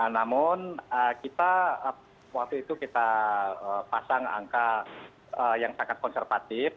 namun kita waktu itu kita pasang angka yang sangat konservatif